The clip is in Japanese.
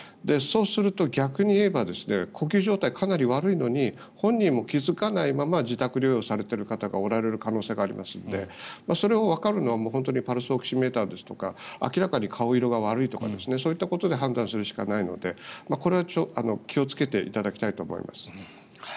そうすると逆に言えば呼吸状態がかなり悪いのに本人も気付かないまま自宅療養しておられる方がおられる可能性がありますのでそれをわかるのは本当にパルスオキシメーターですとか明らかに顔色が悪いとかそういったことから判断するしかないのでこれは気をつけていただきたいと思います。